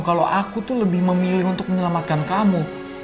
kalau aku tuh lebih memilih untuk menyelamatkan kamu